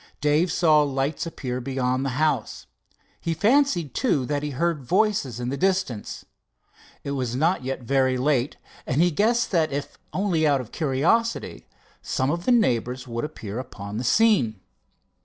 Dave saw lights appear beyond the house. He fancied, too, that he heard voices in the distance. It was not yet very late, and he guessed that, if only out of curiosity, some of the neighbors would appear upon the scene.